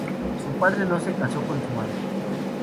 Su padre no se casó con su madre.